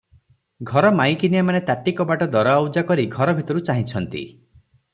ଘର ମାଇକିନିଆମାନେ ତାଟି କବାଟ ଦରଆଉଜା କରି ଘର ଭିତରୁ ଚାହିଁଛନ୍ତି ।